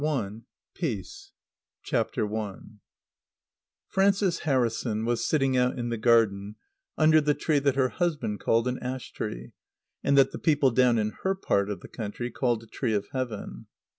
1918 PART I PEACE I Frances Harrison was sitting out in the garden under the tree that her husband called an ash tree, and that the people down in her part of the country called a tree of Heaven.